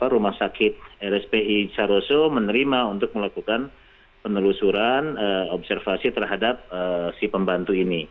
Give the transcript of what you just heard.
rumah sakit rspi saroso menerima untuk melakukan penelusuran observasi terhadap si pembantu ini